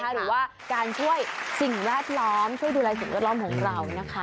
หรือว่าการช่วยสิ่งแวดล้อมช่วยดูแลสิ่งแวดล้อมของเรานะคะ